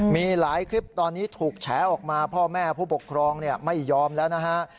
มีหลายคลิปตอนนี้ถูกแฉออกมาพ่อแม่ผู้ปกครองไม่ยอมแล้วนะฮะ